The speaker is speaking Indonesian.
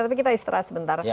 tapi kita istirahat sebentar